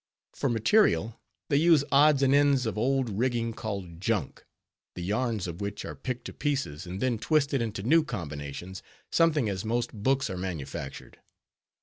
For material, they use odds and ends of old rigging called "junk," the yarns of which are picked to pieces, and then twisted into new combinations, something as most books are manufactured.